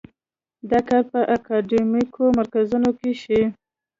دا کار په اکاډیمیکو مرکزونو کې شي.